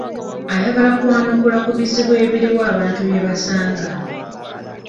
Ayagala kwanukula ku bizibu ebiriwo abantu bye basanga.